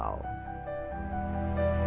adalah jokowi dodo